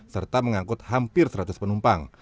serta mengangkut hampir seratus penumpang